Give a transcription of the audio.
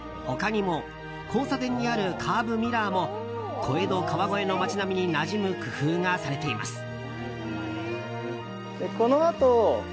他にも交差点にあるカーブミラーも小江戸・川越の街並みになじむ工夫がされています。